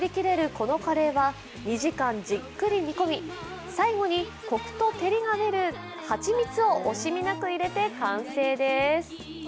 このカレーは２時間じっくり煮込み、最後にコクとテリが出る蜂蜜を惜しみなく入れて完成です。